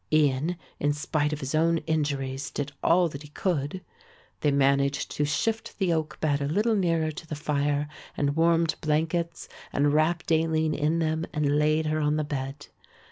Ian in spite of his own injuries did all that he could. They managed to shift the oak bed a little nearer to the fire and warmed blankets and wrapped Aline in them and laid her on the bed.